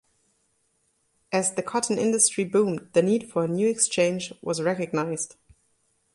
As the cotton industry boomed, the need for a new exchange was recognised.